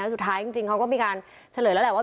สุดท้ายจริงเขาก็มีการเฉลยแล้วแหละว่า